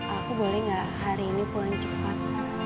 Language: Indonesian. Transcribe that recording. aku boleh nggak hari ini pulang cepat